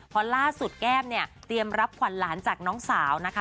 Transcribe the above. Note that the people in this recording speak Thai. เพราะล่าสุดแก้มเนี่ยเตรียมรับขวัญหลานจากน้องสาวนะคะ